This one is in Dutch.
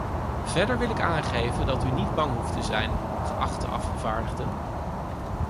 Verder wil ik aangeven dat u niet bang hoeft te zijn, geachte afgevaardigden.